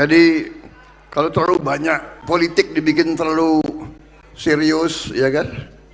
jadi kalau terlalu banyak politik dibikin terlalu serius ya kan